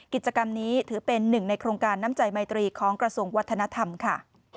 กิจกรรมนี้ถือเป็นหนึ่งในโครงการน้ำใจไมตรีของกระทรวงวัฒนธรรมค่ะ